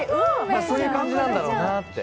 そういう感じなんだろうなって。